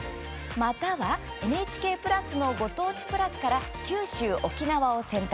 または、ＮＨＫプラスのご当地プラスから九州・沖縄を選択。